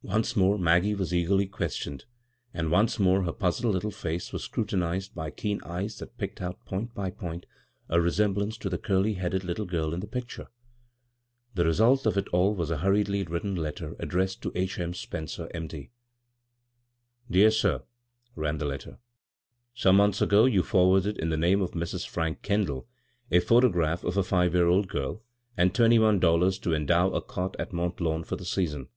Once more Maggie was eagerly ques tioned, and once more her puzzled little face was scrutinized by keen eyes that picked out point by point a resemblance to the curly headed little girl in the picture. The result of it all was a hurriedly written letter ad dressed to "H. M. Spencer, M. D." •'* Dear Sir :" ran the letter. " Some months ago you forwarded in the name of Mrs. Frank Kendall, a photograph of a five year old girl, and twenty one dollars to en dow a cot at Mont Lawn for the season.